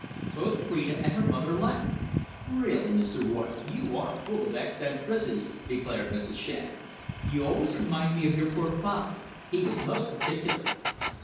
Both Phrida and her mother laughed. "Really, Mr. Royle, you are full of eccentricities," declared Mrs. Shand. "You always remind me of your poor father. He was most particular."